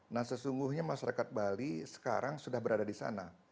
nah sesungguhnya masyarakat bali sekarang sudah berada di sana